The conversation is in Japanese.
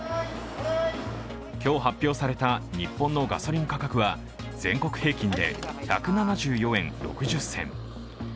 今日発表された日本のガソリン価格は全国平均で１７４円６０銭。